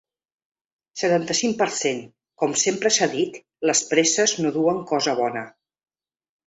Setanta-cinc per cent Com sempre s’ha dit, les presses no duen cosa bona.